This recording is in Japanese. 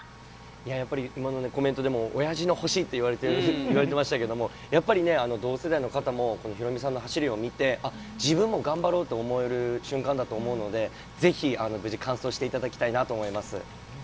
いや、やっぱり今のコメントでも、おやじの星って言われてましたけれども、やっぱりね、同世代の方もこのヒロミさんの走りを見て、自分も頑張ろうと思える瞬間だと思うので、ぜひ、無事完走していただきたいなと思います。